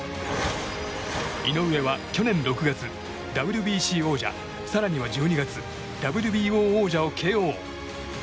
井上は去年６月、ＷＢＣ王者更には１２月ＷＢＯ王者をＫＯ。